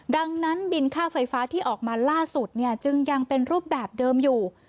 ดังนั้นบินค่าไฟฟ้าที่ออกมาล่าสุดเนี่ยจึงยังเป็นรูปแบบเดิมอยู่